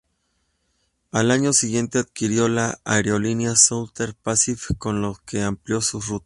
Al año siguiente adquirió la aerolínea Southeast Pacific, con lo que amplió sus rutas.